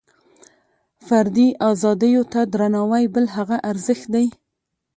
فردي ازادیو ته درناوۍ بل هغه ارزښت دی.